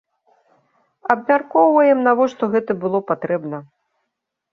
Абмяркоўваем, навошта гэта было патрэбна.